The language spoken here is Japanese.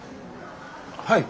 はい。